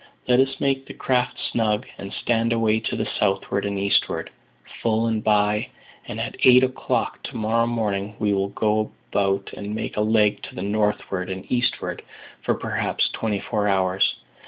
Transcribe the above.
Let us make the craft snug, and stand away to the southward and eastward, full and by, and at eight o'clock to morrow morning we will go about and make a leg to the northward and eastward for perhaps twenty four hours.